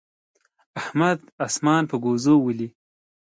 احمد اسمان په ګوزو ولي.